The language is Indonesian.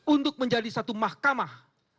untuk menjadi satu mahkamah